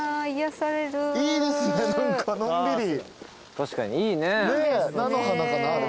確かにいいね。